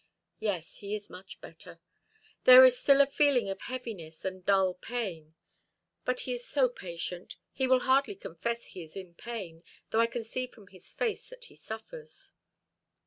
"Yes, he is much better. There is still a feeling of heaviness and dull pain; but he is so patient, he will hardly confess he is in pain, though I can see from his face that he suffers."